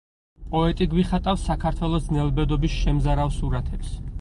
პოეტი გვიხატავს საქართველოს ძნელბედობის შემზარავ სურათებს.